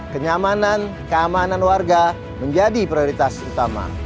kenyamanan keamanan warga menjadi prioritas utama